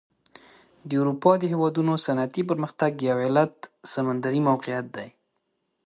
د اروپا د هېوادونو صنعتي پرمختګ یو علت سمندري موقعیت دی.